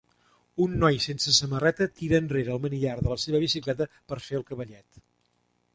Un noi sense samarreta tira enrere el manillar de la seva bicicleta per fer el cavallet.